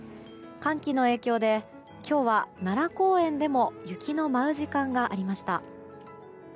寒気の影響で今日は奈良公園でも雪の舞う時間がありました。